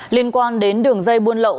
liên quan đến đường dây buôn lậu